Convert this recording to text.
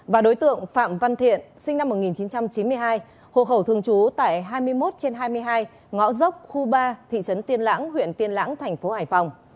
và đối tượng phạm văn thiện sinh năm một nghìn chín trăm chín mươi hai hộ khẩu thường trú tại hai mươi một trên hai mươi hai ngõ dốc khu ba thị trấn tiên lãng huyện tiên lãng thành phố hải phòng